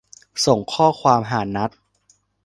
ส่งข้อความหานัท